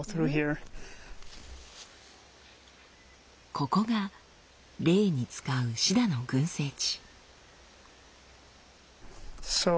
ここがレイに使うシダの群生地。